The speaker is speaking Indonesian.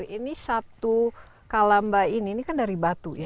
jadi yang diperlihatkan adalah satu kalamba ini ini kan dari batu ya